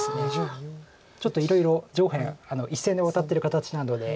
ちょっといろいろ上辺１線でワタってる形なので。